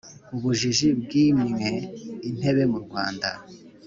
ubujiji bwimwe intebe mu rwanda